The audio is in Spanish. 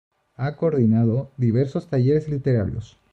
Ha coordinado diversos talleres literarios.